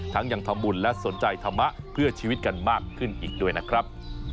ยังทำบุญและสนใจธรรมะเพื่อชีวิตกันมากขึ้นอีกด้วยนะครับ